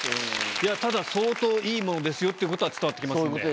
ただ相当いい物ですよってことは伝わって来ますんで。